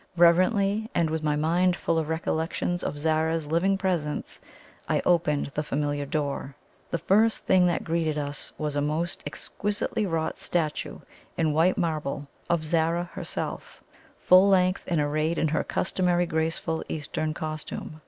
Reverently, and with my mind full of recollections of Zara's living presence, I opened the familiar door. The first thing that greeted us was a most exquisitely wrought statue in white marble of Zara herself, full length, and arrayed in her customary graceful Eastern costume.